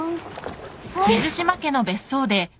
はい。